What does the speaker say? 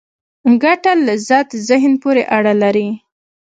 ګټه لذت ذهن پورې اړه لري.